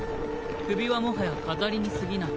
首はもはや飾りにすぎない。